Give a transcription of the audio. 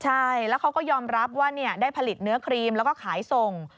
ใช่แล้วเขาก็ยอมรับว่าได้ผลิตเนื้อครีมแล้วก็ขายส่ง